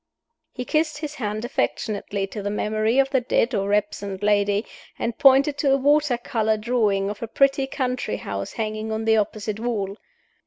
He kissed his hand affectionately to the memory of the dead or absent lady, and pointed to a water color drawing of a pretty country house hanging on the opposite wall.